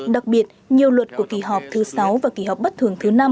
đặc biệt nhiều luật của kỳ họp thứ sáu và kỳ họp bất thường thứ năm